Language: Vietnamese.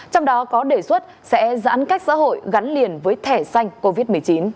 trong đó có đề xuất sẽ giãn cách xã hội gắn liền với thẻ xanh covid một mươi chín